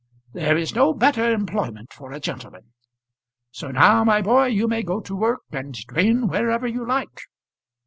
There is no better employment for a gentleman. So now, my boy, you may go to work and drain wherever you like.